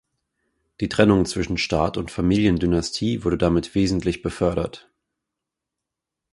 Die Trennung zwischen Staat und Familiendynastie wurde damit wesentlich befördert.